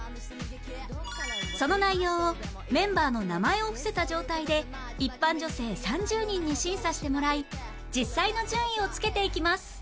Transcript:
その内容をメンバーの名前を伏せた状態で一般女性３０人に審査してもらい実際の順位をつけていきます